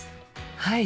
はい！